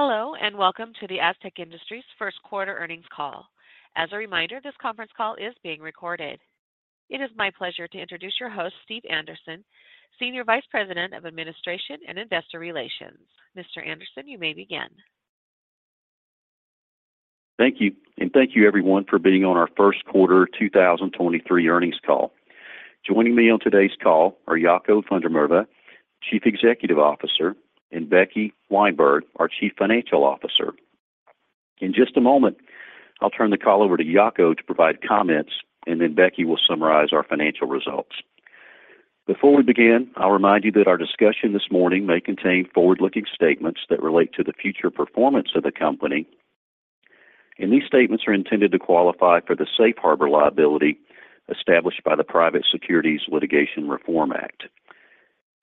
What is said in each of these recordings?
Hello, welcome to the Astec Industries Q1 earnings call. As a reminder, this conference call is being recorded. It is my pleasure to introduce your host, Steve Anderson, Senior Vice President of Administration and Investor Relations. Mr. Anderson, you may begin. Thank you. Thank you everyone for being on our Q1 2023 earnings call. Joining me on today's call are Jaco van der Merwe, Chief Executive Officer, and Becky Weyenberg, our Chief Financial Officer. In just a moment, I'll turn the call over to Jaakko to provide comments, and then Becky will summarize our financial results. Before we begin, I'll remind you that our discussion this morning may contain forward-looking statements that relate to the future performance of the company, and these statements are intended to qualify for the safe harbor liability established by the Private Securities Litigation Reform Act.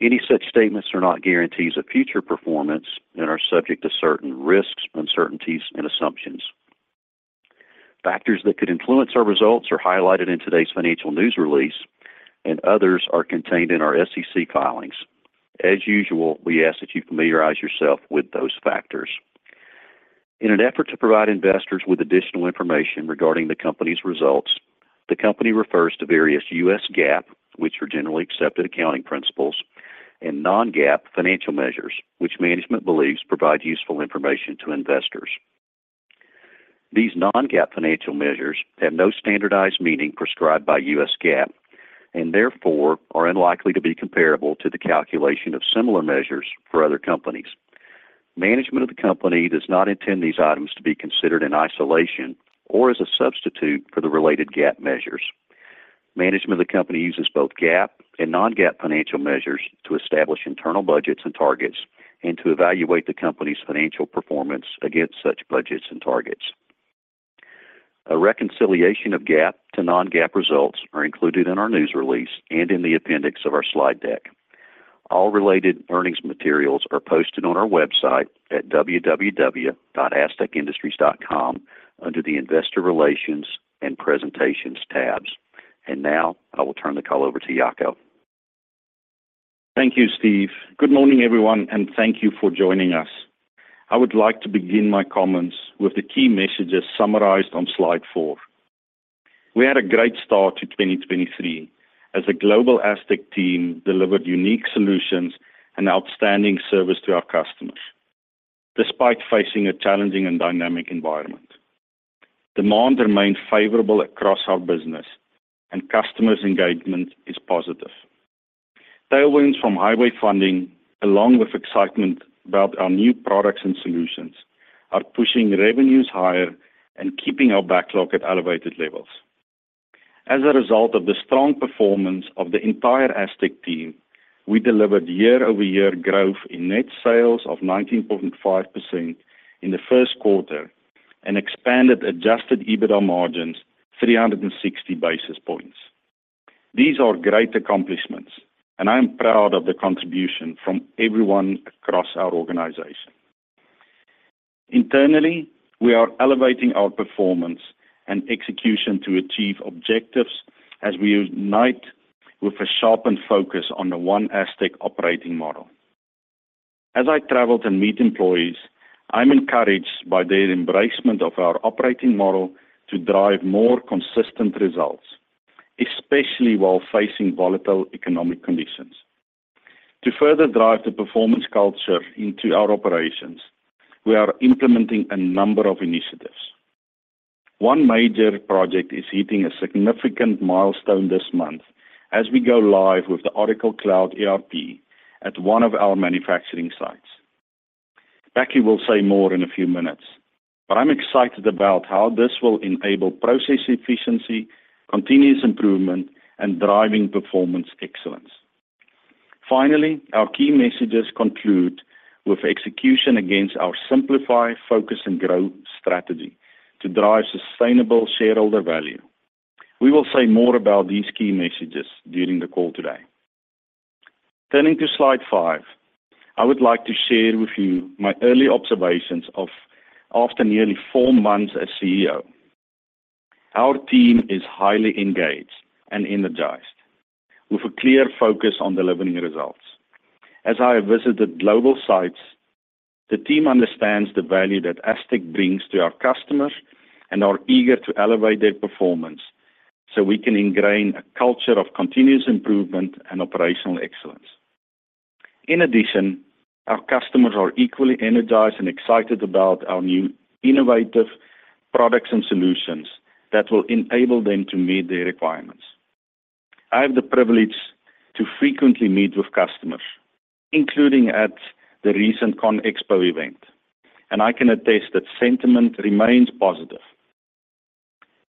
Any such statements are not guarantees of future performance and are subject to certain risks, uncertainties and assumptions. Factors that could influence our results are highlighted in today's financial news release, and others are contained in our SEC filings. As usual, we ask that you familiarize yourself with those factors. In an effort to provide investors with additional information regarding the company's results, the company refers to various U.S. GAAP, which are generally accepted accounting principles, and non-GAAP financial measures, which management believes provide useful information to investors. These non-GAAP financial measures have no standardized meaning prescribed by U.S. GAAP and therefore are unlikely to be comparable to the calculation of similar measures for other companies. Management of the company does not intend these items to be considered in isolation or as a substitute for the related GAAP measures. Management of the company uses both GAAP and non-GAAP financial measures to establish internal budgets and targets and to evaluate the company's financial performance against such budgets and targets. A reconciliation of GAAP to non-GAAP results are included in our news release and in the appendix of our slide deck. All related earnings materials are posted on our website at www.astecindustries.com under the Investor Relations and Presentations tabs. Now I will turn the call over to Jaco. Thank you, Steve. Good morning, everyone, and thank you for joining us. I would like to begin my comments with the key messages summarized on slide 4. We had a great start to 2023 as the global Astec team delivered unique solutions and outstanding service to our customers, despite facing a challenging and dynamic environment. Demand remained favorable across our business and customers' engagement is positive. Tailwinds from highway funding, along with excitement about our new products and solutions, are pushing revenues higher and keeping our backlog at elevated levels. As a result of the strong performance of the entire Astec team, we delivered year-over-year growth in net sales of 19.5% in the Q1 and expanded adjusted EBITDA margins 360 basis points. These are great accomplishments and I am proud of the contribution from everyone across our organization. Internally, we are elevating our performance and execution to achieve objectives as we unite with a sharpened focus on the OneAstec operating model. As I travel to meet employees, I'm encouraged by their embracement of our operating model to drive more consistent results, especially while facing volatile economic conditions. To further drive the performance culture into our operations, we are implementing a number of initiatives. One major project is hitting a significant milestone this month as we go live with the Oracle Cloud ERP at one of our manufacturing sites. Becky will say more in a few minutes, but I'm excited about how this will enable process efficiency, continuous improvement, and driving performance excellence. Finally, our key messages conclude with execution against our Simplify, Focus and Grow strategy to drive sustainable shareholder value. We will say more about these key messages during the call today. Turning to slide 5, I would like to share with you my early observations of after nearly 4 months as CEO. Our team is highly engaged and energized with a clear focus on delivering results. As I have visited global sites, the team understands the value that Astec brings to our customers and are eager to elevate their performance so we can ingrain a culture of continuous improvement and operational excellence. Our customers are equally energized and excited about our new innovative products and solutions that will enable them to meet their requirements. I have the privilege to frequently meet with customers, including at the recent ConExpo event, and I can attest that sentiment remains positive.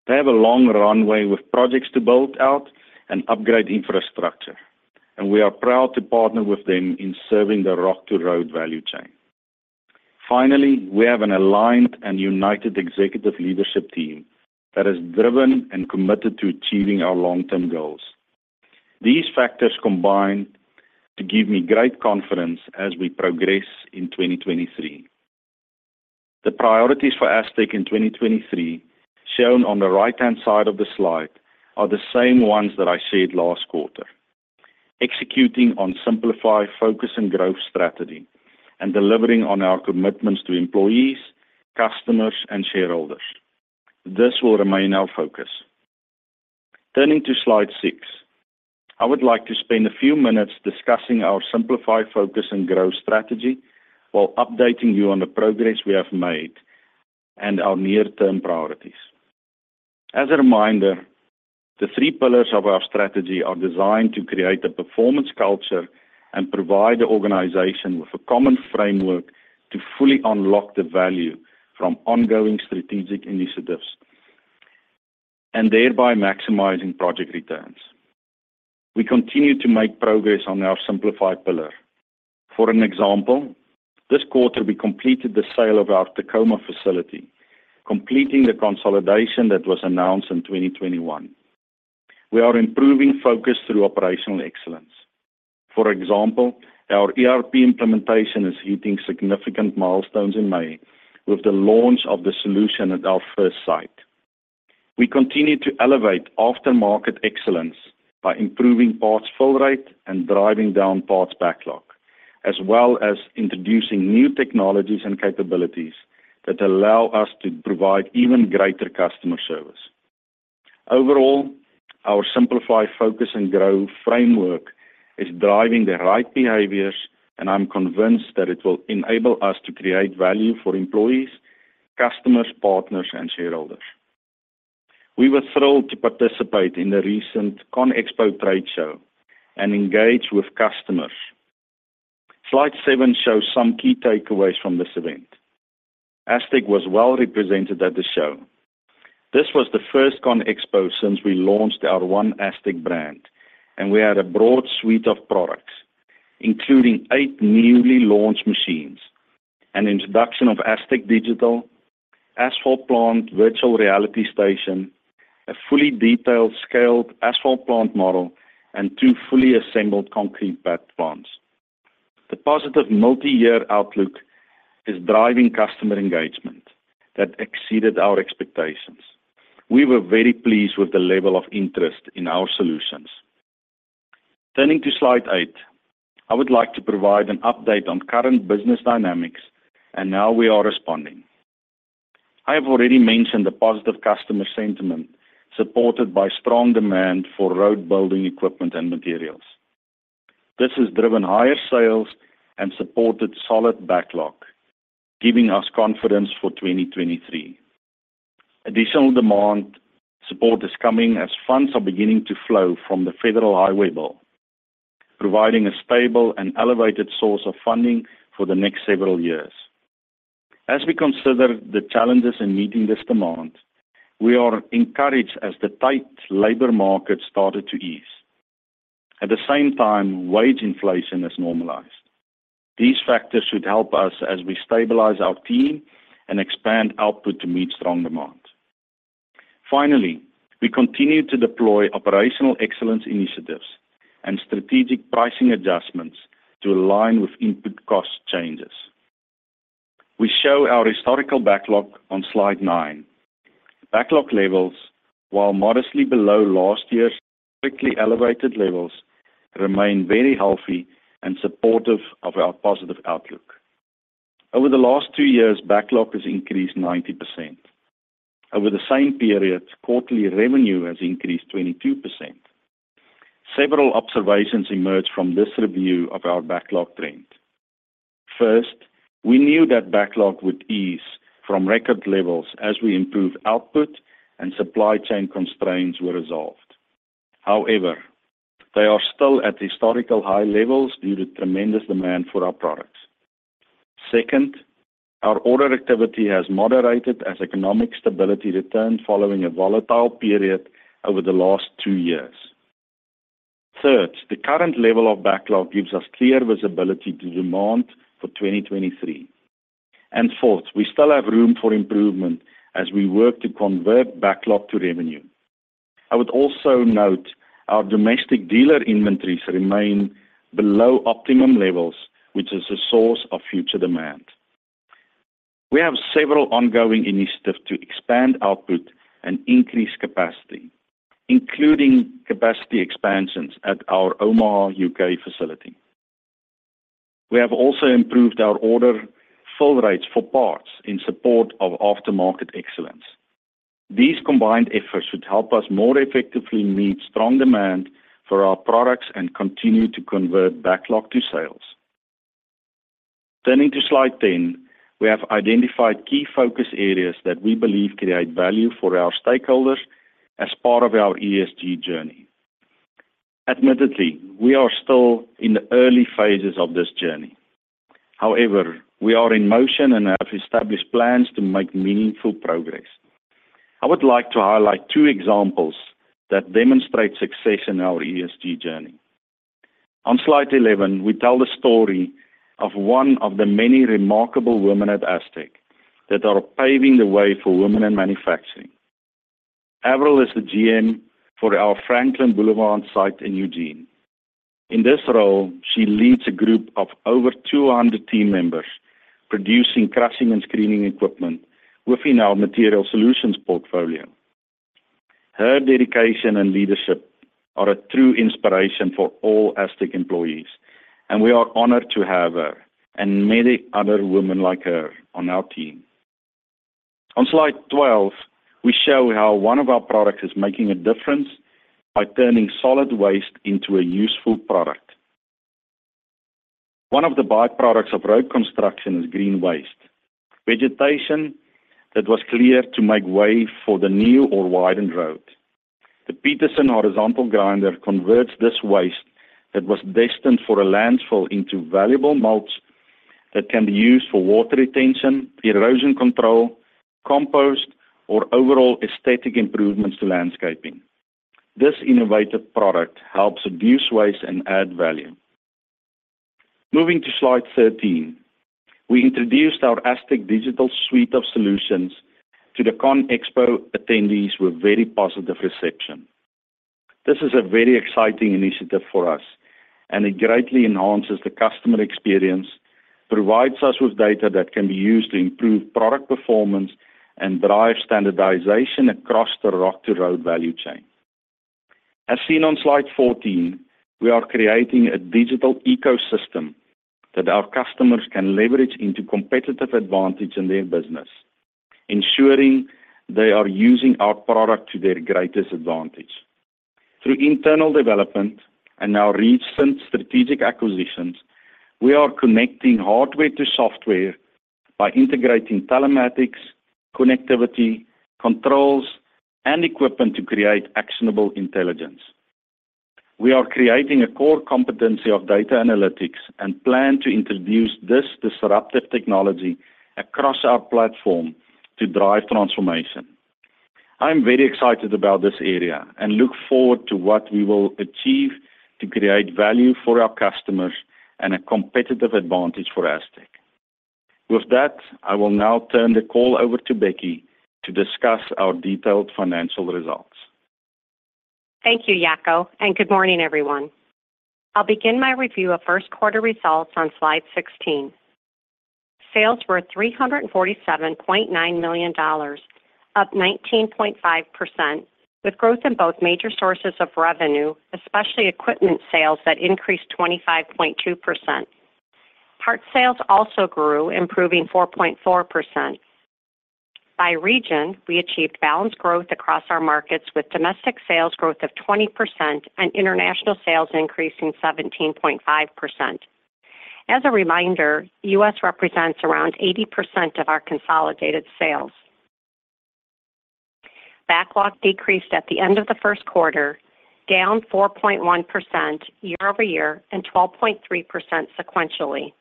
They have a long runway with projects to build out and upgrade infrastructure. We are proud to partner with them in serving the Rock to Road value chain. Finally, we have an aligned and united executive leadership team that is driven and committed to achieving our long-term goals. These factors combine to give me great confidence as we progress in 2023. The priorities for ASTEC in 2023, shown on the right-hand side of the slide, are the same ones that I said last quarter. Executing on Simplify, Focus and Grow strategy and delivering on our commitments to employees, customers, and shareholders. This will remain our focus. Turning to slide 6, I would like to spend a few minutes discussing our Simplify, Focus and Grow strategy while updating you on the progress we have made and our near-term priorities. As a reminder, the 3 pillars of our strategy are designed to create a performance culture and provide the organization with a common framework to fully unlock the value from ongoing strategic initiatives and thereby maximizing project returns. We continue to make progress on our Simplify pillar. For an example, this quarter we completed the sale of our Tacoma facility, completing the consolidation that was announced in 2021. We are improving Focus through operational excellence. For example, our ERP implementation is hitting significant milestones in May with the launch of the solution at our first site. We continue to elevate aftermarket excellence by improving parts fill rate and driving down parts backlog, as well as introducing new technologies and capabilities that allow us to provide even greater customer service. Overall, our Simplify, Focus, and Grow framework is driving the right behaviors, and I'm convinced that it will enable us to create value for employees, customers, partners, and shareholders. We were thrilled to participate in the recent ConExpo trade show and engage with customers. Slide 7 shows some key takeaways from this event. Astec was well represented at the show. This was the first CONEXPO since we launched our OneAstec brand, and we had a broad suite of products, including 8 newly launched machines, an introduction of ASTEC Digital, asphalt plant virtual reality station, a fully detailed scaled asphalt plant model, and 2 fully assembled concrete pad plants. The positive multi-year outlook is driving customer engagement that exceeded our expectations. We were very pleased with the level of interest in our solutions. Turning to slide 8, I would like to provide an update on current business dynamics and how we are responding. I have already mentioned the positive customer sentiment supported by strong demand for road building equipment and materials. This has driven higher sales and supported solid backlog, giving us confidence for 2023. Additional demand support is coming as funds are beginning to flow from the federal highway bill, providing a stable and elevated source of funding for the next several years. As we consider the challenges in meeting this demand, we are encouraged as the tight labor market started to ease. At the same time, wage inflation has normalized. These factors should help us as we stabilize our team and expand output to meet strong demand. Finally, we continue to deploy operational excellence initiatives and strategic pricing adjustments to align with input cost changes. We show our historical backlog on slide 9. Backlog levels, while modestly below last year's strictly elevated levels, remain very healthy and supportive of our positive outlook. Over the last 2 years, backlog has increased 90%. Over the same period, quarterly revenue has increased 22%. Several observations emerged from this review of our backlog trend. First, we knew that backlog would ease from record levels as we improved output and supply chain constraints were resolved. They are still at historical high levels due to tremendous demand for our products. Second, our order activity has moderated as economic stability returned following a volatile period over the last 2 years. Third, the current level of backlog gives us clear visibility to demand for 2023. Fourth, we still have room for improvement as we work to convert backlog to revenue. I would also note our domestic dealer inventories remain below optimum levels, which is a source of future demand. We have several ongoing initiatives to expand output and increase capacity, including capacity expansions at our Omagh, U.K. facility. We have also improved our order fill rates for parts in support of aftermarket excellence. These combined efforts should help us more effectively meet strong demand for our products and continue to convert backlog to sales. Turning to slide 10, we have identified key focus areas that we believe create value for our stakeholders as part of our ESG journey. Admittedly, we are still in the early phases of this journey. However, we are in motion and have established plans to make meaningful progress. I would like to highlight 2 examples that demonstrate success in our ESG journey. On slide 11, we tell the story of one of the many remarkable women at Astec that are paving the way for women in manufacturing. Avril is the GM for our Franklin Boulevard site in Eugene. In this role, she leads a group of over 200 team members producing crushing and screening equipment within our Material Solutions portfolio. Her dedication and leadership are a true inspiration for all ASTEC employees, and we are honored to have her and many other women like her on our team. On slide 12, we show how one of our products is making a difference by turning solid waste into a useful product. One of the byproducts of road construction is green waste. Vegetation that was cleared to make way for the new or widened road. The Peterson horizontal grinder converts this waste that was destined for a landfill into valuable mulch that can be used for water retention, erosion control, compost, or overall aesthetic improvements to landscaping. This innovative product helps reduce waste and add value. Moving to slide 13. We introduced our ASTEC Digital suite of solutions to the ConExpo attendees with very positive reception. This is a very exciting initiative for us. It greatly enhances the customer experience, provides us with data that can be used to improve product performance and drive standardization across the Rock to Road value chain. As seen on slide 14, we are creating a digital ecosystem that our customers can leverage into competitive advantage in their business, ensuring they are using our product to their greatest advantage. Through internal development and our recent strategic acquisitions, we are connecting hardware to software by integrating telematics, connectivity, controls, and equipment to create actionable intelligence. We are creating a core competency of data analytics and plan to introduce this disruptive technology across our platform to drive transformation. I'm very excited about this area and look forward to what we will achieve to create value for our customers and a competitive advantage for Astec. I will now turn the call over to Becky to discuss our detailed financial results. Thank you, Jaco. Good morning, everyone. I'll begin my review of Q1 results on slide 16. Sales were $347.9 million, up 19.5% with growth in both major sources of revenue, especially equipment sales that increased 25.2%. Part sales also grew, improving 4.4%. By region, we achieved balanced growth across our markets with domestic sales growth of 20% and international sales increasing 17.5%. As a reminder, U.S. represents around 80% of our consolidated sales. Backlog decreased at the end of the Q1, down 4.1% year-over-year and 12.3% sequentially.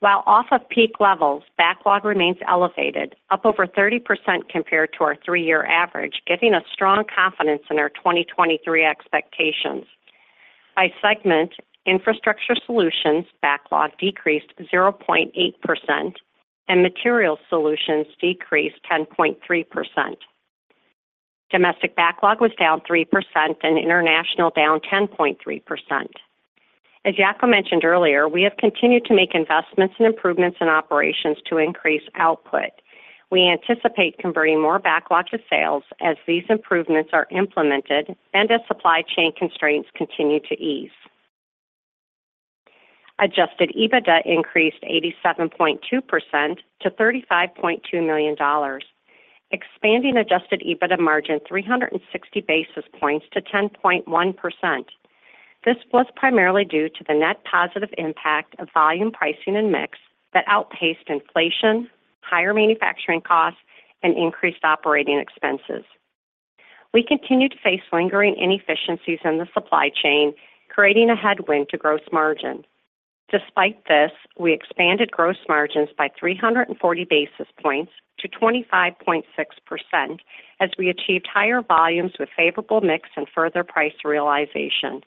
While off of peak levels, backlog remains elevated, up over 30% compared to our 3-year average, giving us strong confidence in our 2023 expectations. By segment, Infrastructure Solutions backlog decreased 0.8% and Material Solutions decreased 10.3%. Domestic backlog was down 3% and international down 10.3%. As Jaco mentioned earlier, we have continued to make investments and improvements in operations to increase output. We anticipate converting more backlogs of sales as these improvements are implemented and as supply chain constraints continue to ease. Adjusted EBITDA increased 87.2% to $35.2 million, expanding adjusted EBITDA margin 360 basis points to 10.1%. This was primarily due to the net positive impact of volume pricing and mix that outpaced inflation, higher manufacturing costs, and increased operating expenses. We continue to face lingering inefficiencies in the supply chain, creating a headwind to gross margin. Despite this, we expanded gross margins by 340 basis points to 25.6% as we achieved higher volumes with favorable mix and further price realization.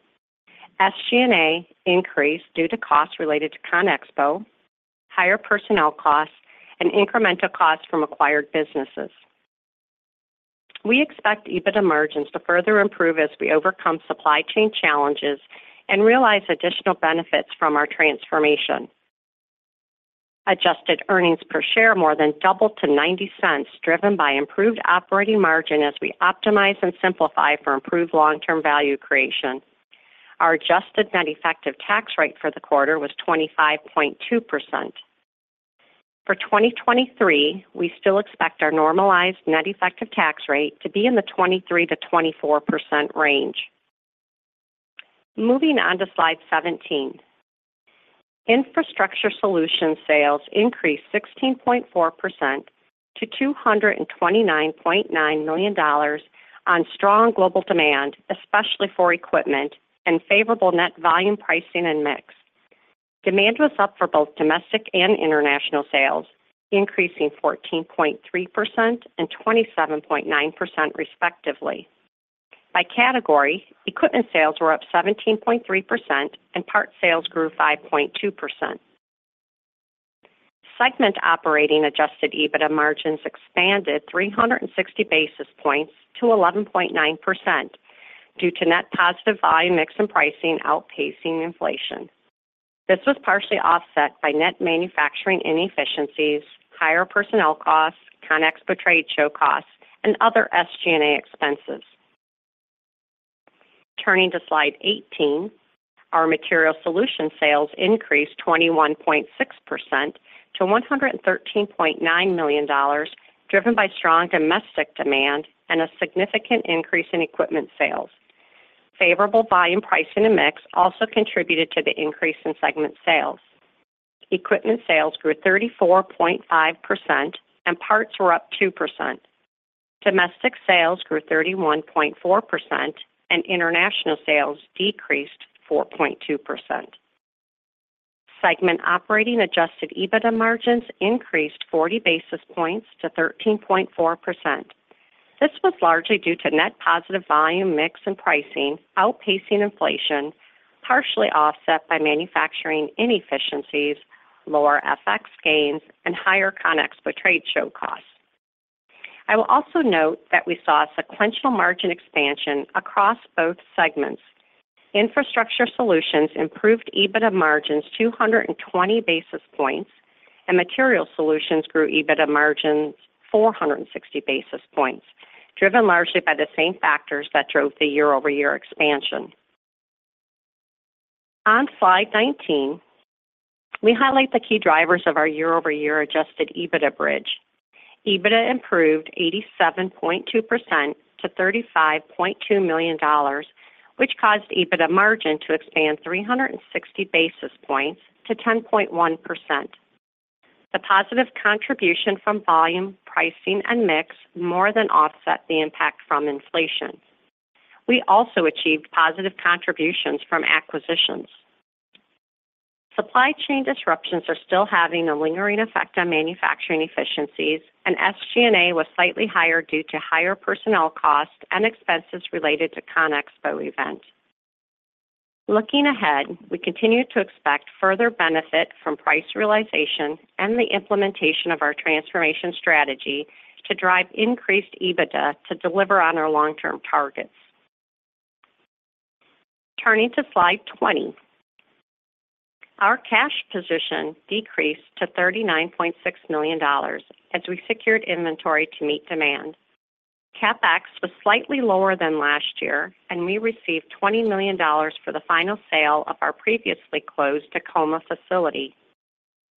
SG&A increased due to costs related to CONEXPO, higher personnel costs, and incremental costs from acquired businesses. We expect EBITDA margins to further improve as we overcome supply chain challenges and realize additional benefits from our transformation. Adjusted earnings per share more than doubled to $0.90, driven by improved operating margin as we optimize and simplify for improved long-term value creation. Our adjusted net effective tax rate for the quarter was 25.2%. For 2023, we still expect our normalized net effective tax rate to be in the 23%-24% range. Moving on to slide 17. Infrastructure Solutions sales increased 16.4% to $229.9 million on strong global demand, especially for equipment and favorable net volume pricing and mix. Demand was up for both domestic and international sales, increasing 14.3% and 27.9% respectively. By category, equipment sales were up 17.3% and part sales grew 5.2%. Segment operating adjusted EBITDA margins expanded 360 basis points to 11.9% due to net positive volume mix and pricing outpacing inflation. This was partially offset by net manufacturing inefficiencies, higher personnel costs, CONEXPO trade show costs, and other SG&A expenses. Turning to slide 18, our Material Solutions sales increased 21.6% to $113.9 million, driven by strong domestic demand and a significant increase in equipment sales. Favorable volume pricing and mix also contributed to the increase in segment sales. Equipment sales grew 34.5%, and parts were up 2%. Domestic sales grew 31.4%, and international sales decreased 4.2%. Segment operating adjusted EBITDA margins increased 40 basis points to 13.4%. This was largely due to net positive volume mix and pricing outpacing inflation, partially offset by manufacturing inefficiencies, lower FX gains, and higher Conexpo trade show costs. I will also note that we saw a sequential margin expansion across both segments. Infrastructure Solutions improved EBITDA margins 220 basis points, and Material Solutions grew EBITDA margins 460 basis points, driven largely by the same factors that drove the year-over-year expansion. On slide 19, we highlight the key drivers of our year-over-year adjusted EBITDA bridge. EBITDA improved 87.2% to $35.2 million, which caused EBITDA margin to expand 360 basis points to 10.1%. The positive contribution from volume, pricing, and mix more than offset the impact from inflation. We also achieved positive contributions from acquisitions. Supply chain disruptions are still having a lingering effect on manufacturing efficiencies and SG&A was slightly higher due to higher personnel costs and expenses related to Conexpo event. Looking ahead, we continue to expect further benefit from price realization and the implementation of our transformation strategy to drive increased EBITDA to deliver on our long-term targets. Turning to slide 20. Our cash position decreased to $39.6 million as we secured inventory to meet demand. CapEx was slightly lower than last year. We received $20 million for the final sale of our previously closed Tacoma facility.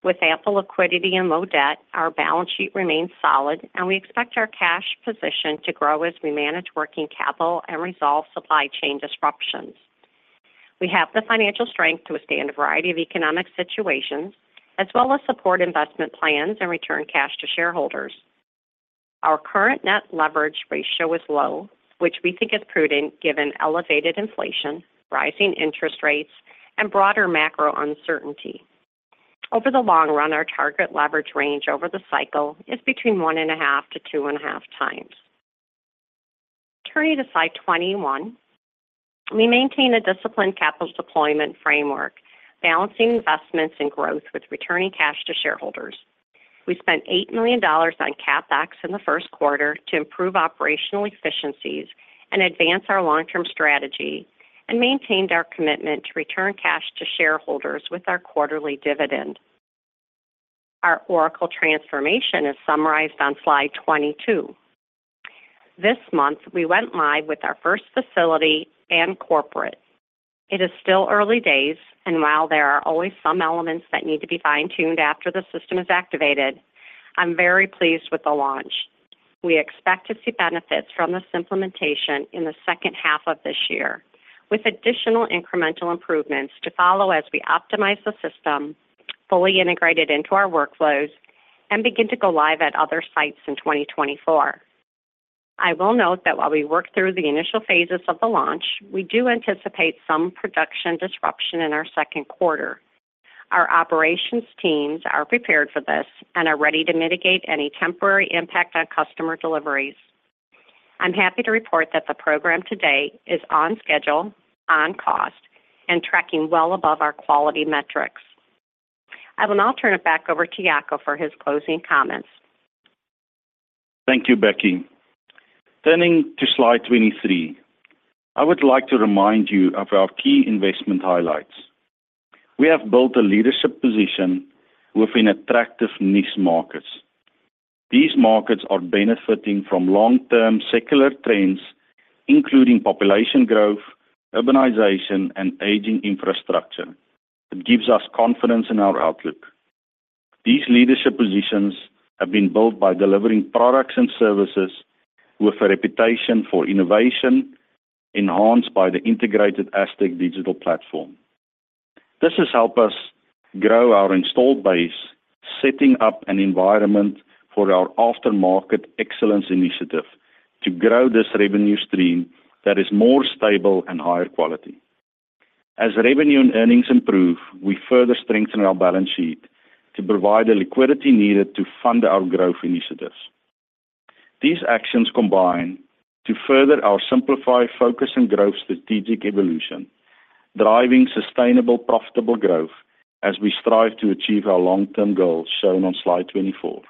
With ample liquidity and low debt, our balance sheet remains solid. We expect our cash position to grow as we manage working capital and resolve supply chain disruptions. We have the financial strength to withstand a variety of economic situations, as well as support investment plans and return cash to shareholders. Our current net leverage ratio is low, which we think is prudent given elevated inflation, rising interest rates, and broader macro uncertainty. Over the long run, our target leverage range over the cycle is between 1.5x-2.5x. Turning to slide 21. We maintain a disciplined capital deployment framework, balancing investments and growth with returning cash to shareholders. We spent $8 million on CapEx in the Q1 to improve operational efficiencies and advance our long-term strategy and maintained our commitment to return cash to shareholders with our quarterly dividend. Our Oracle transformation is summarized on slide 22. This month, we went live with our first facility and corporate. It is still early days, and while there are always some elements that need to be fine-tuned after the system is activated, I'm very pleased with the launch. We expect to see benefits from this implementation in the H2 of this year, with additional incremental improvements to follow as we optimize the system, fully integrate it into our workflows, and begin to go live at other sites in 2024. I will note that while we work through the initial phases of the launch, we do anticipate some production disruption in our second quarter. Our operations teams are prepared for this and are ready to mitigate any temporary impact on customer deliveries. I'm happy to report that the program to date is on schedule, on cost, and tracking well above our quality metrics. I will now turn it back over to Jaco for his closing comments. Thank you, Becky. Turning to slide 23. I would like to remind you of our key investment highlights. We have built a leadership position within attractive niche markets. These markets are benefiting from long-term secular trends, including population growth, urbanization, and aging infrastructure that gives us confidence in our outlook. These leadership positions have been built by delivering products and services with a reputation for innovation enhanced by the integrated ASTEC Digital platform. This has helped us grow our installed base, setting up an environment for our aftermarket excellence initiative to grow this revenue stream that is more stable and higher quality. As revenue and earnings improve, we further strengthen our balance sheet to provide the liquidity needed to fund our growth initiatives. These actions combine to further our Simplify, Focus and Grow strategic evolution, driving sustainable, profitable growth as we strive to achieve our long-term goals shown on slide 24.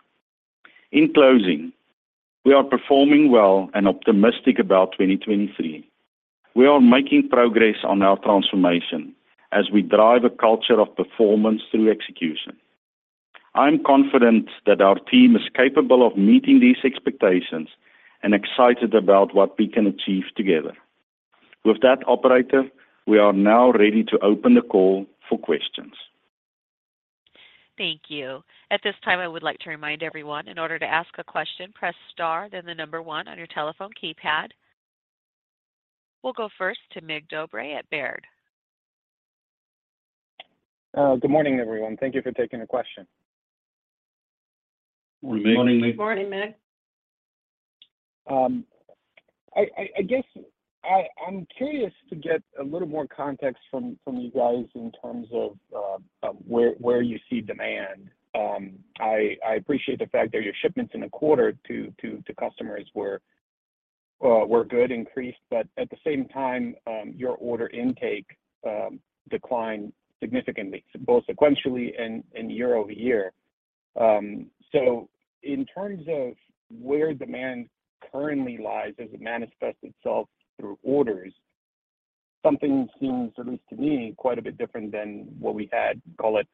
In closing, we are performing well and optimistic about 2023. We are making progress on our transformation as we drive a culture of performance through execution. I'm confident that our team is capable of meeting these expectations and excited about what we can achieve together. With that, operator, we are now ready to open the call for questions. Thank you. At this time, I would like to remind everyone, in order to ask a question, press star, then the number one on your telephone keypad. We'll go first to Mig Dobre at Baird. Good morning, everyone. Thank you for taking the question. Morning, Mig. Morning, Mig. I guess I'm curious to get a little more context from you guys in terms of where you see demand. I appreciate the fact that your shipments in the quarter to customers were good, increased, but at the same time, your order intake declined significantly, both sequentially and year over year. In terms of where demand currently lies as it manifests itself through orders, something seems, at least to me, quite a bit different than what we had, call it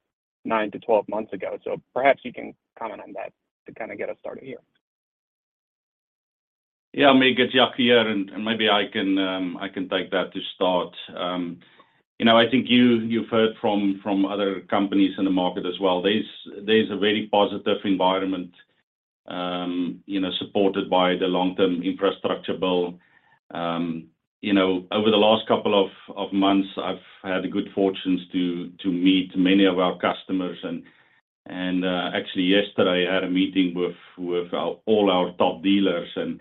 9 to 12 months ago. Perhaps you can comment on that to kinda get us started here. Yeah, Mig, it's Jaco here, and maybe I can take that to start. You know, I think you've heard from other companies in the market as well. There's a very positive environment, you know, supported by the long-term infrastructure bill. You know, over the last couple of months, I've had the good fortunes to meet many of our customers. Actually yesterday, I had a meeting with all our top dealers and,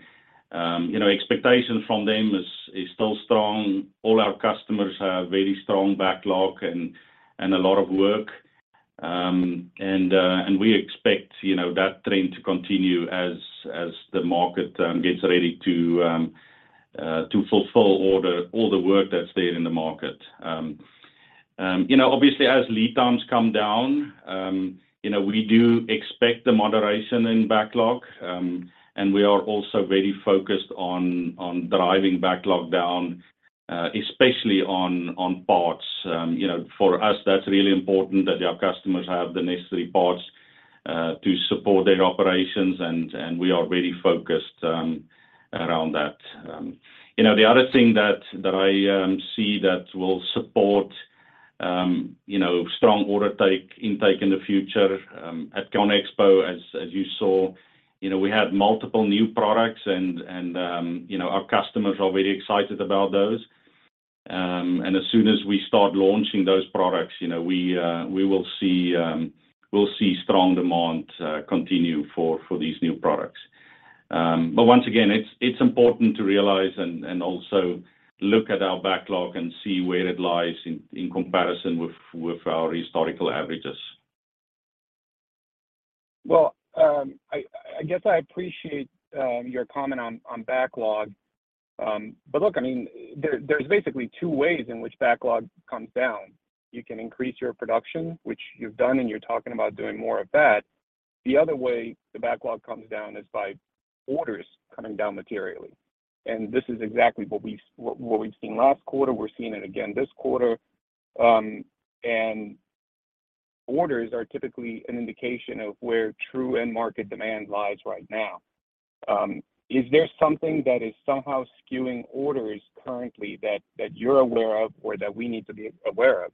you know, expectation from them is still strong. All our customers have very strong backlog and a lot of work. We expect, you know, that trend to continue as the market gets ready to fulfill all the work that's there in the market. You know, obviously as lead times come down, you know, we do expect a moderation in backlog. We are also very focused on driving backlog down, especially on parts. You know, for us, that's really important that our customers have the necessary parts to support their operations, and we are very focused around that. You know, the other thing that I see that will support, you know, strong order intake in the future, at ConExpo, as you saw, you know, we had multiple new products and, you know, our customers are very excited about those. As soon as we start launching those products, you know, we will see strong demand continue for these new products. Once again, it's important to realize and also look at our backlog and see where it lies in comparison with our historical averages. I guess I appreciate your comment on backlog. Look, I mean, there's basically 2 ways in which backlog comes down. You can increase your production, which you've done, and you're talking about doing more of that. The other way the backlog comes down is by orders coming down materially, and this is exactly what we've seen last quarter, we're seeing it again this quarter. Orders are typically an indication of where true end market demand lies right now. Is there something that is somehow skewing orders currently that you're aware of or that we need to be aware of?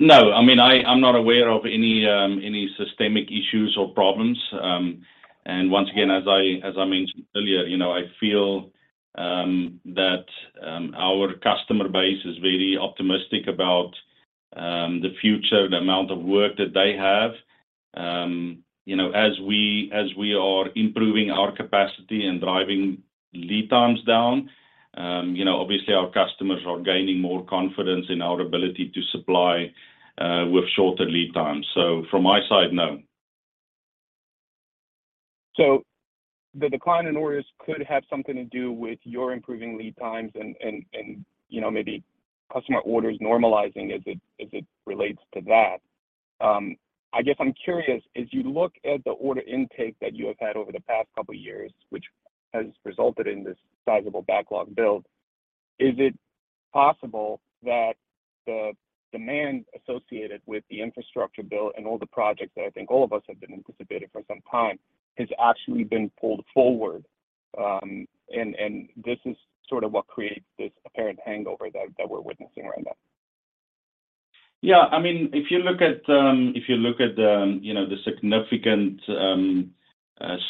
No. I mean, I'm not aware of any any systemic issues or problems. Once again, as I mentioned earlier, you know, I feel that our customer base is very optimistic about the future, the amount of work that they have. You know, as we are improving our capacity and driving lead times down, you know, obviously our customers are gaining more confidence in our ability to supply with shorter lead times. From my side, no. The decline in orders could have something to do with your improving lead times and, you know, maybe customer orders normalizing as it relates to that. I guess I'm curious, as you look at the order intake that you have had over the past couple of years, which has resulted in this sizable backlog build, is it possible that the demand associated with the infrastructure build and all the projects that I think all of us have been anticipating for some time has actually been pulled forward, and this is sort of what creates this apparent hangover that we're witnessing right now? Yeah. I mean, if you look at, if you look at the, you know, the significant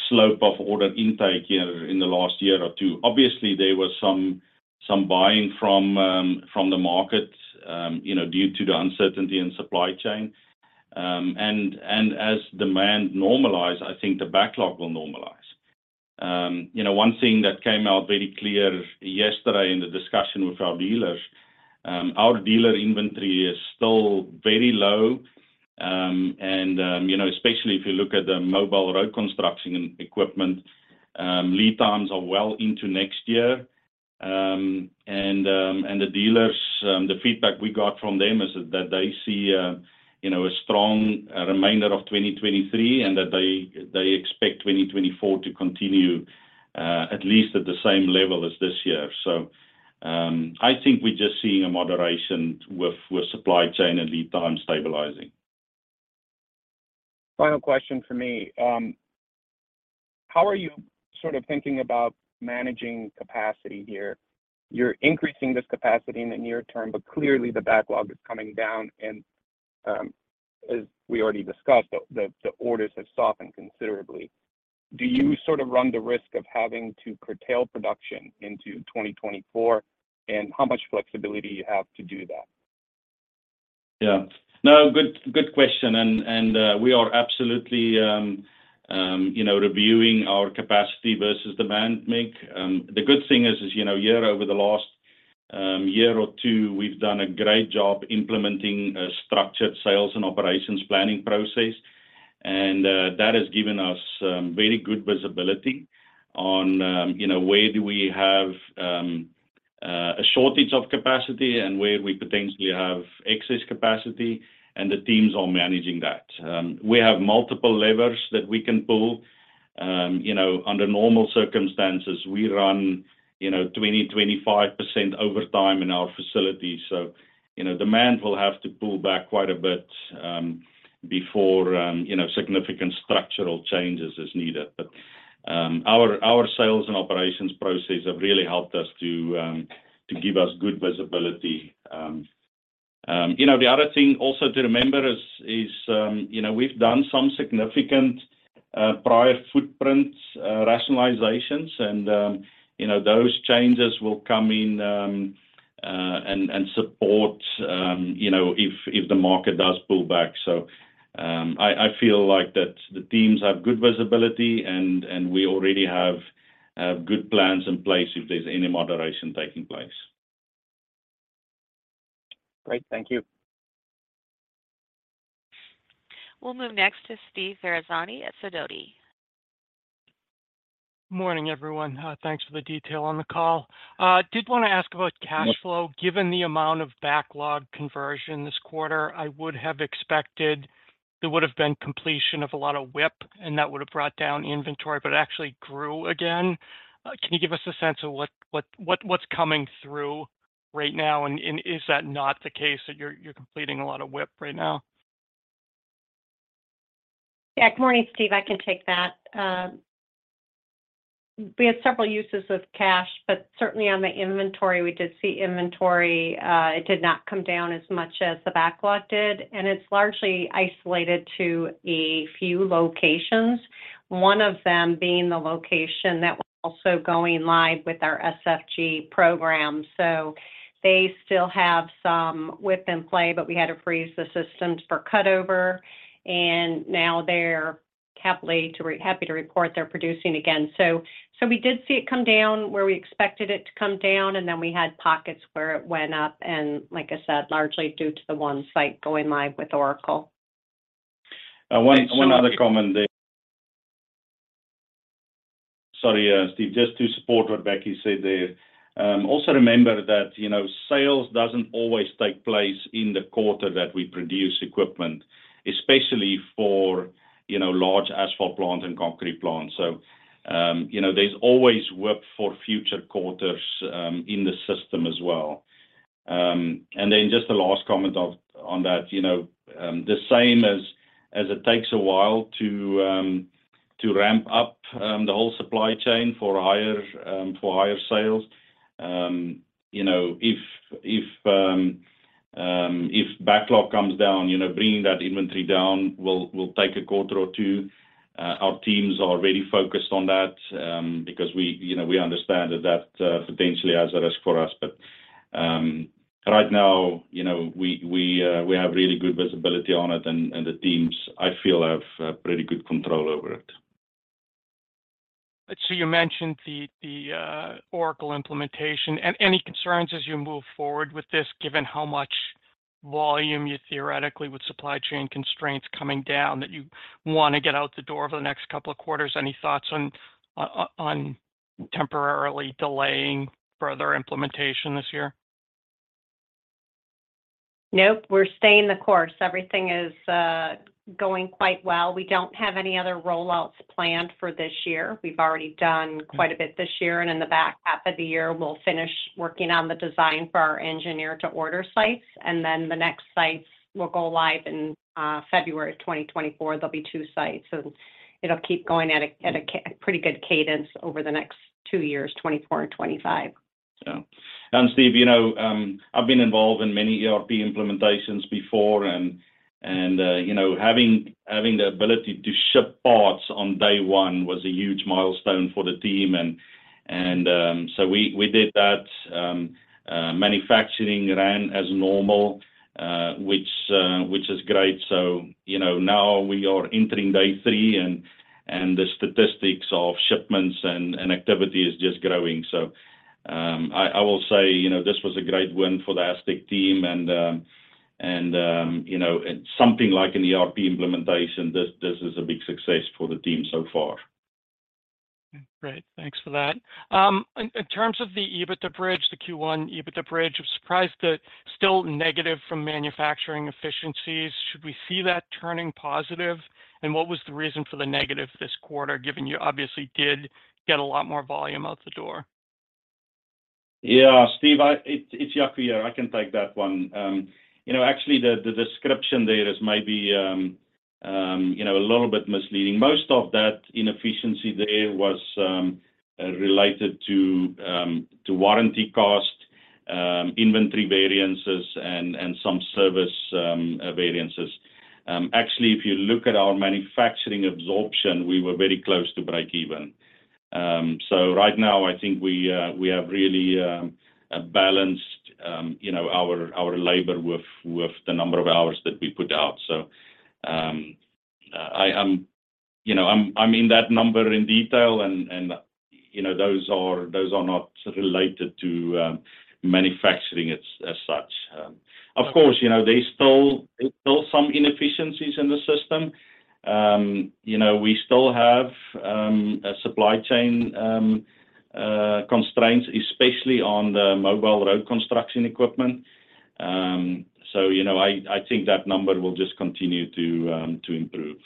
slope of order intake here in the last year or 2, obviously there was some buying from from the market, you know, due to the uncertainty in supply chain. As demand normalize, I think the backlog will normalize. You know, one thing that came out very clear yesterday in the discussion with our dealers, our dealer inventory is still very low. You know, especially if you look at the mobile road construction equipment, lead times are well into next year. The dealers, the feedback we got from them is that they see a, you know, a strong remainder of 2023 and that they expect 2024 to continue at least at the same level as this year. I think we're just seeing a moderation with supply chain and lead time stabilizing. Final question from me. How are you sort of thinking about managing capacity here? You're increasing this capacity in the near term, but clearly the backlog is coming down and, as we already discussed, the orders have softened considerably. Do you sort of run the risk of having to curtail production into 2024, and how much flexibility you have to do that? Yeah. No, good question. We are absolutely, you know, reviewing our capacity versus demand mix. The good thing is, you know, year over the last year or 2, we've done a great job implementing a structured sales and operations planning process. That has given us very good visibility on, you know, where do we have a shortage of capacity and where we potentially have excess capacity, and the teams are managing that. We have multiple levers that we can pull. You know, under normal circumstances, we run, you know, 20-25% overtime in our facilities. You know, demand will have to pull back quite a bit before, you know, significant structural changes is needed. Our sales and operations process have really helped us to give us good visibility. You know, the other thing also to remember is, you know, we've done some significant prior footprints rationalizations and, you know, those changes will come in and support, you know, if the market does pull back. I feel like that the teams have good visibility and we already have good plans in place if there's any moderation taking place. Great. Thank you. We'll move next to Steve Ferazani at Sidoti. Morning, everyone. Thanks for the detail on the call. Did wanna ask about cash flow. Given the amount of backlog conversion this quarter, I would have expected there would have been completion of a lot of WIP, and that would have brought down inventory, but it actually grew again. Can you give us a sense of what's coming through right now and is that not the case that you're completing a lot of WIP right now? Good morning, Steve. I can take that. We had several uses of cash, certainly on the inventory, we did see inventory, it did not come down as much as the backlog did, it's largely isolated to a few locations, one of them being the location that was also going live with our SFG program. They still have some WIP in play, we had to freeze the systems for cut over, now they're happy to report they're producing again. We did see it come down where we expected it to come down, then we had pockets where it went up and, like I said, largely due to the one site going live with Oracle. One other comment there. Sorry, Steve, just to support what Becky said there. Also remember that, you know, sales doesn't always take place in the quarter that we produce equipment, especially for, you know, large asphalt plants and concrete plants. There's always WIP for future quarters in the system as well. Just a last comment on that. You know, the same as it takes a while to ramp up the whole supply chain for higher sales. You know, if backlog comes down, you know, bringing that inventory down will take a quarter or 2. Our teams are really focused on that, because we, you know, we understand that that potentially has a risk for us. Right now, you know, we have really good visibility on it and the teams I feel have pretty good control over it. You mentioned the Oracle implementation. Any concerns as you move forward with this given how much volume you theoretically with supply chain constraints coming down that you wanna get out the door over the next couple of quarters? Any thoughts on temporarily delaying further implementation this year? Nope. We're staying the course. Everything is going quite well. We don't have any other rollouts planned for this year. We've already done quite a bit this year. In the back half of the year we'll finish working on the design for our engineer to order sites, then the next sites will go live in February 2024. There'll be 2 sites, and it'll keep going at a pretty good cadence over the next 2 years, 2024 and 2025. Yeah. Steve, you know, I've been involved in many ERP implementations before and, you know, having the ability to ship parts on day 1 was a huge milestone for the team. We did that. Manufacturing ran as normal, which is great. You know, now we are entering day 3 and, the statistics of shipments and activity is just growing. I will say, you know, this was a great win for the Astec team. You know, and something like an ERP implementation, this is a big success for the team so far. Great. Thanks for that. In terms of the EBITDA bridge, the Q1 EBITDA bridge, I'm surprised that still negative from manufacturing efficiencies. Should we see that turning positive? What was the reason for the negative this quarter, given you obviously did get a lot more volume out the door? Yeah, Steve, it's Jaco here. I can take that one. You know, actually, the description there is maybe, you know, a little bit misleading. Most of that inefficiency there was related to warranty cost, inventory variances, and some service variances. Actually, if you look at our manufacturing absorption, we were very close to breakeven. Right now I think we have really balanced, you know, our labor with the number of hours that we put out. I... You know, I mean that number in detail and, you know, those are not related to manufacturing as such. Of course, you know, there's still some inefficiencies in the system. You know, we still have a supply chain constraints, especially on the mobile road construction equipment. You know, I think that number will just continue to improve.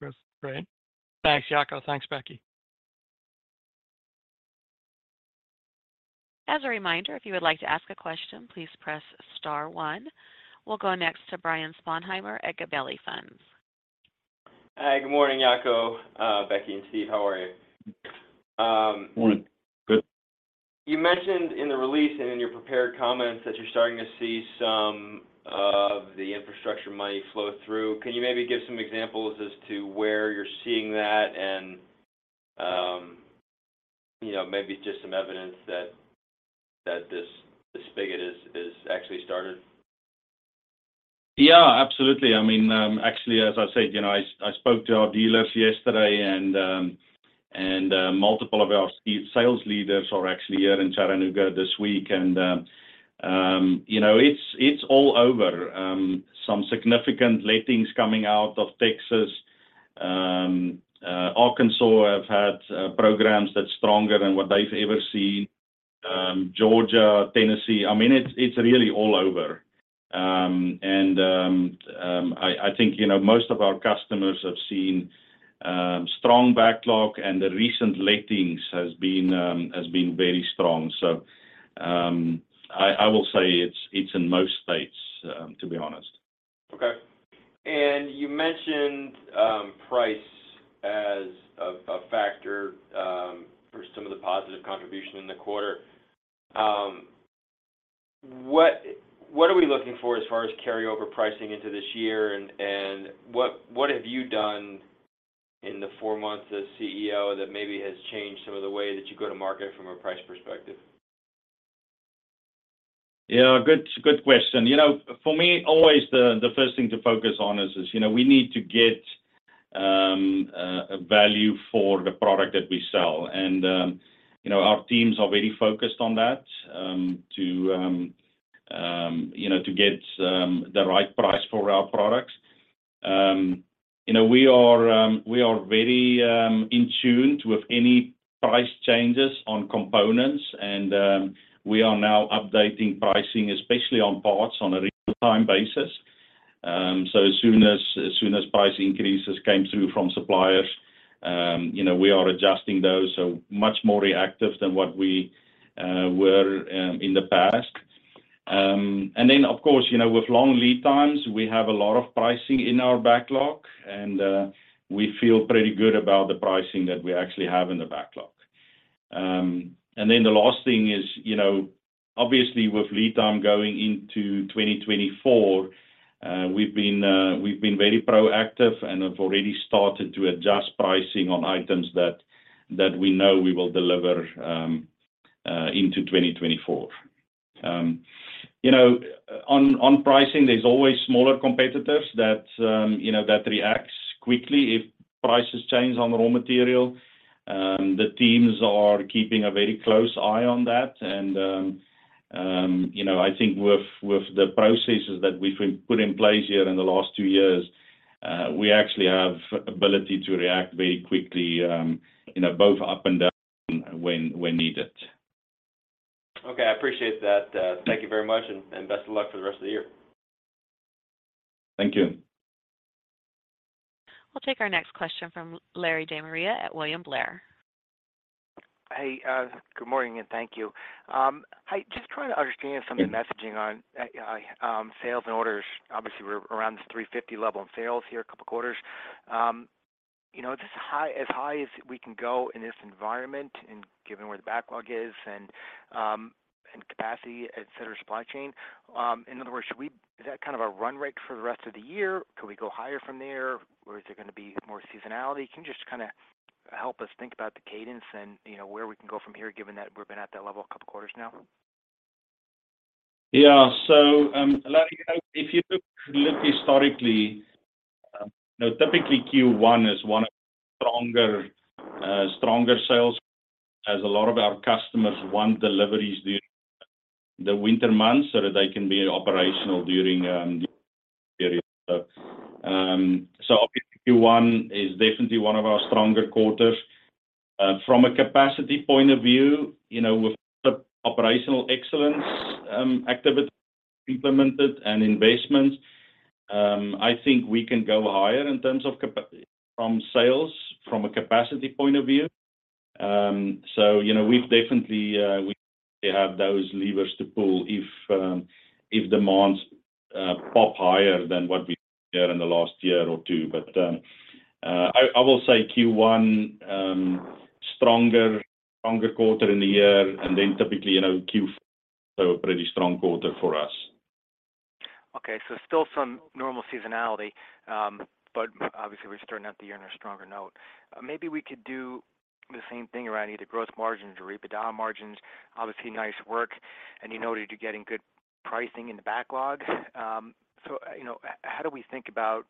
That's great. Thanks, Jaco. Thanks, Becky. As a reminder, if you would like to ask a question, please press star one. We'll go next to Brian Sponheimer at Gabelli Funds. Hi. Good morning, Jaco, Becky and Steve. How are you? Morning. Good. You mentioned in the release and in your prepared comments that you're starting to see some of the infrastructure money flow through. Can you maybe give some examples as to where you're seeing that and, you know, maybe just some evidence that this, the spigot is actually started? Yeah, absolutely. I mean, actually, as I said, you know, I spoke to our dealers yesterday and multiple of our sales leaders are actually here in Chattanooga this week. You know, it's all over. Some significant lettings coming out of Texas. Arkansas have had programs that's stronger than what they've ever seen. Georgia, Tennessee, I mean, it's really all over. I think, you know, most of our customers have seen strong backlog, and the recent lettings has been very strong. I will say it's in most states, to be honest. Okay. You mentioned price as a factor for some of the positive contribution in the quarter. What are we looking for as far as carryover pricing into this year? What have you done in the four months as CEO that maybe has changed some of the way that you go to market from a price perspective? Good question. You know, for me, always the first thing to focus on is, you know, we need to get value for the product that we sell. You know, our teams are very focused on that, to, you know, to get the right price for our products. You know, we are very in tune with any price changes on components and we are now updating pricing, especially on parts, on a real-time basis. As soon as price increases came through from suppliers, you know, we are adjusting those, so much more reactive than what we were in the past. Of course, you know, with long lead times, we have a lot of pricing in our backlog, and we feel pretty good about the pricing that we actually have in the backlog. The last thing is, you know, obviously with lead time going into 2024, we've been very proactive and have already started to adjust pricing on items that we know we will deliver into 2024. You know, on pricing, there's always smaller competitors that, you know, that reacts quickly if prices change on raw material. The teams are keeping a very close eye on that. You know, I think with the processes that we've put in place here in the last 2 years, we actually have ability to react very quickly, you know, both up and down when needed. Okay. I appreciate that. Thank you very much, and best of luck for the rest of the year. Thank you. We'll take our next question from Larry De Maria at William Blair. Hey, good morning. Thank you. I just trying to understand some of the messaging on sales and orders. Obviously, we're around this $350 million level in sales here a couple quarters. you know, just how as high as we can go in this environment and given where the backlog is and capacity, et cetera, supply chain. In other words, is that kind of our run rate for the rest of the year? Could we go higher from there? Is there gonna be more seasonality? Can you just kinda help us think about the cadence and, you know, where we can go from here, given that we've been at that level a couple quarters now? Yeah. Larry, you know, if you look historicallyNo, typically Q1 is one of stronger sales as a lot of our customers want deliveries during the winter months so that they can be operational during the period. Obviously Q1 is definitely one of our stronger quarters. From a capacity point of view, you know, with the operational excellence activity implemented and investments, I think we can go higher in terms of from sales from a capacity point of view. You know, we've definitely we have those levers to pull if demands pop higher than what we had in the last year or 2. I will say Q1, stronger quarter in the year, and then typically, you know, Q4 is also a pretty strong quarter for us. Okay. Still some normal seasonality, obviously we're starting out the year on a stronger note. Maybe we could do the same thing around either growth margins or EBITDA margins. Obviously nice work, you noted you're getting good pricing in the backlog. You know, how do we think about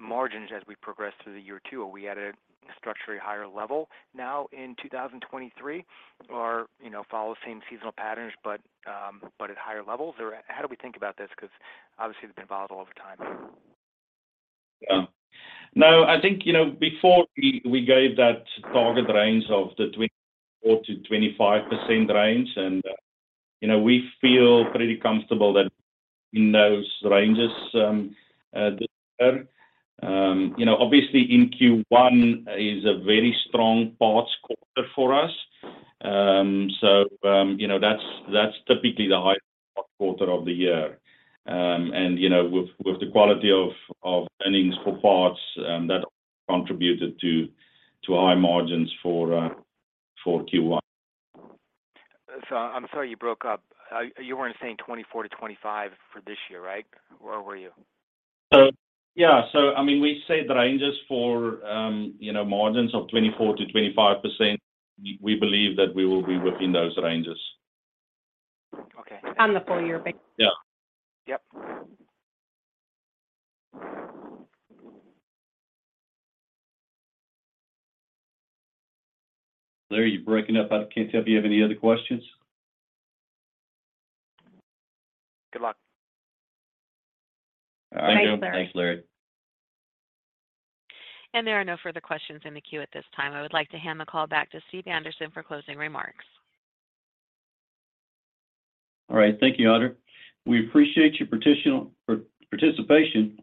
margins as we progress through the year too? Are we at a structurally higher level now in 2023 or, you know, follow the same seasonal patterns but at higher levels? How do we think about this? 'Cause obviously they've been volatile over time. No, I think, you know, before we gave that target range of the 24%-25% range, and, you know, we feel pretty comfortable that in those ranges this year. You know, obviously in Q1 is a very strong parts quarter for us. So, you know, that's typically the highest parts quarter of the year. You know, with the quality of earnings for parts, that contributed to high margins for Q1. I'm sorry you broke up. You weren't saying 2024-2025 for this year, right? Or were you? Yeah. I mean, we said ranges for, you know, margins of 24%-25%. We believe that we will be within those ranges. Okay. On the full year base. Yeah. Yep. Larry, you're breaking up. I can't tell if you have any other questions. Good luck. Thank you, Larry. All right. Thanks, Larry. There are no further questions in the queue at this time. I would like to hand the call back to Steve Anderson for closing remarks. All right. Thank you, Audra. We appreciate your participation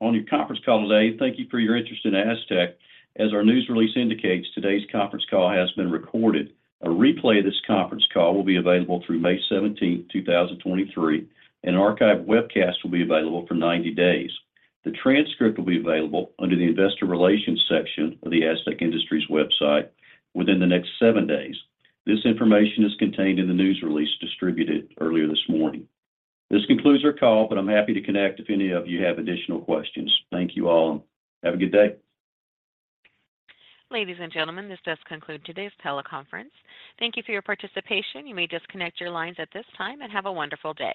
on your conference call today. Thank you for your interest in ASTEC. As our news release indicates, today's conference call has been recorded. A replay of this conference call will be available through May 17, 2023, and an archive webcast will be available for 90 days. The transcript will be available under the Investor Relations section of the Astec Industries website within the next 7 days. This information is contained in the news release distributed earlier this morning. This concludes our call. I'm happy to connect if any of you have additional questions. Thank you all. Have a good day. Ladies and gentlemen, this does conclude today's teleconference. Thank you for your participation. You may disconnect your lines at this time, and have a wonderful day.